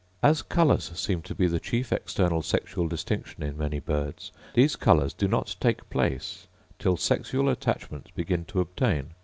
As colours seem to be the chief external sexual distinction in many birds, these colours do not take place till sexual attachments begin to obtain.